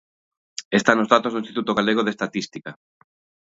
Está nos datos do Instituto Galego de Estatística.